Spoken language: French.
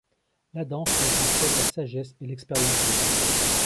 La danse met en scène la sagesse et l'expérience des anciens.